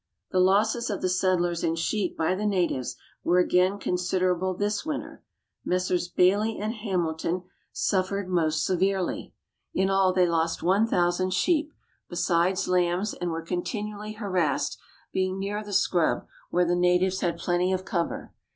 The losses of the settlers in sheep by the natives were again considerable this winter. Messrs. Baillie and Hamilton suffered 192 Letters from Victorian Pioneers. most severely. In all, they lost 1,000 sheep, besides lambs, and were continually harassed, being near the scrub, where the natives Lad plenty of cover.